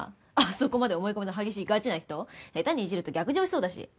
そこまで思い込みの激しいガチな人下手にいじると逆上しそうだし。